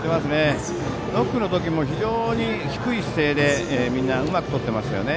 ノックの時も非常に低い姿勢でみんな、うまくとってましたよね。